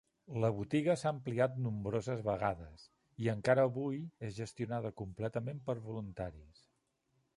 La botiga s'ha ampliat nombroses vegades, i encara avui és gestionada completament per voluntaris.